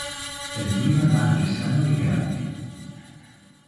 El niño nace sano y grande.